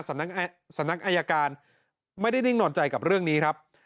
สำนักอายการไม่ได้นิ่งนอนใจกับเรื่องนี้ครับ